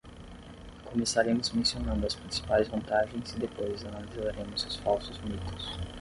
Começaremos mencionando as principais vantagens e depois analisaremos os falsos mitos.